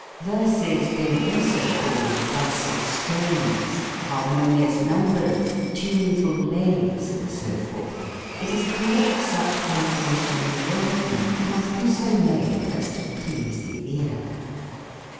Verses being also called dulcet strains, harmonious numbers, tuneful lays, and so forth, it is clear that such .combination and arrangement must be so made as to please the ear.